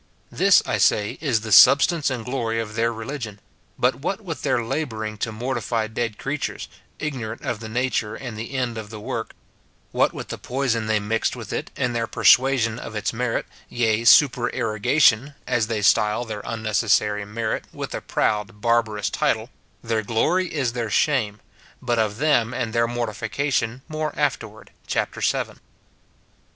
This, I say, is the substance and glory of their religion ; but what with their labouring to mortify dead creatures, ignorant of the nature and end of the work, — what with the poison they mixed with it, in their per suasion of its merit, yea, supererogation (as they style their unnecessary merit, with a proud, barbarous title), — their glory is their shame : but of them and their mor tification more afterward, chap. vii.